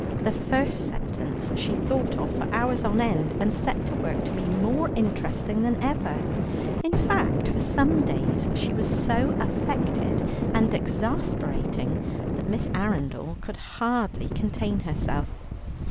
The first sentence she thought of for hours on end, and set to work to be more interesting than ever; in fact for some days she was so affected and exasperating that Miss Arundel could hardly contain herself.